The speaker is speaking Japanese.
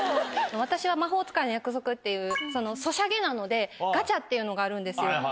私は『魔法使いの約束』っていうソシャゲなのでガチャっていうのがあるんですよ。